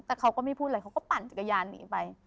แต่เขาก็ไม่พูดอะไรเขาก็ปั่นจักรยานหนีไป